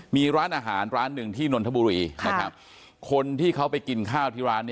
มีร้านอาหารร้านหนึ่งที่นนทบุรีนะครับคนที่เขาไปกินข้าวที่ร้านนี้